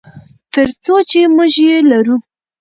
تر څو چې موږ یې لرو.